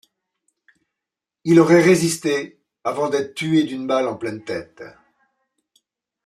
Il aurait résisté avant d'être tué d'une balle en pleine tête.